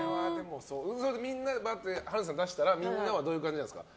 春菜さんが出したらみんなはどういう感じなんですか。